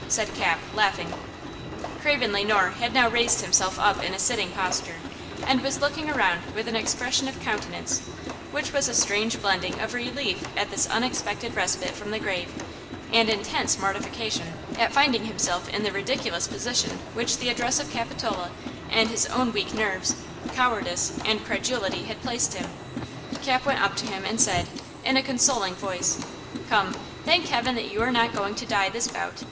said Cap, laughing. Craven Le Noir had now raised himself up in a sitting posture, and was looking around with an expression of countenance which was a strange blending of relief at this unexpected respite from the grave, and intense mortification at finding himself in the ridiculous position which the address of Capitola and his own weak nerves, cowardice and credulity had placed him. Cap went up to him and said, in a consoling voice: "Come, thank heaven that you are not going to die this bout!